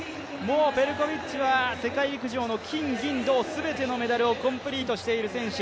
もうペルコビッチは世界陸上の金、銀、銅、すべてのメダルをコンプリートしている選手。